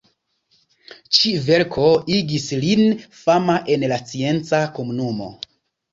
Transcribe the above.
Ĉi-verko igis lin fama en la scienca komunumo.